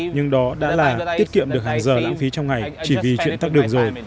nhưng đó đã là tiết kiệm được hàng giờ lãng phí trong ngày chỉ vì chuyện tắt đường rồi